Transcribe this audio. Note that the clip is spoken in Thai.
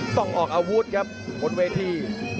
ต้องออกอาวุธครับบนเวที